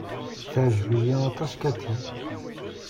Teɛjeb-iyi aṭas Cathy.